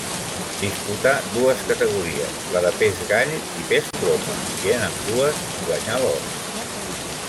Disputà dues categories, la de pes gall i pes ploma i en ambdues guanyà l'or.